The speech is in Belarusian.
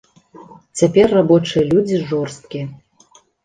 Цяпер рабочыя людзі жорсткія.